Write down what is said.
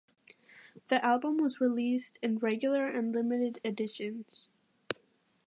The album was released in regular and limited editions.